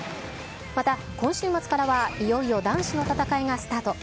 また、今週末からはいよいよ男子の戦いがスタート。